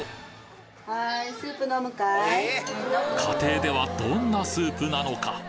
家庭ではどんなスープなのか？